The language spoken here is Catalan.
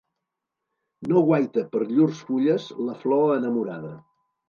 No guaita per llurs fulles la flor enamorada.